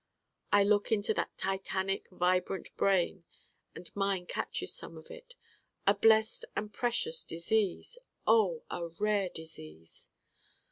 I look into that titanic vibrant brain, and mine catches some of it: a blest and precious Disease, oh, a rare Disease!